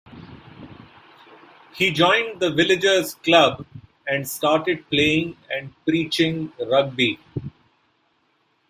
He joined the Villagers club and started playing and preaching rugby.